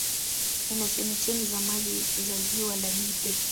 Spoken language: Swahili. Ina chemchemi za maji za Ziwa la Jipe